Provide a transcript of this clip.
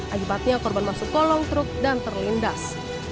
akibatnya korban masuk kolong truk dan terlindas